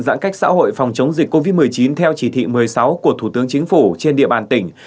giãn cách xã hội phòng chống dịch covid một mươi chín theo chỉ thị một mươi sáu của thủ tướng chính phủ trên địa bàn tỉnh